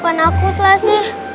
maafkan aku sulasi